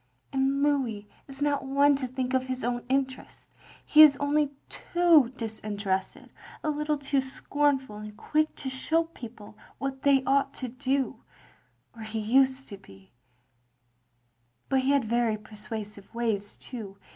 "And Lotiis is not one to think of his own interest. He is only too disinterested, a little too scornful and quick to show people what they ought to do — or he used to be ; but he had very persuasive ways too.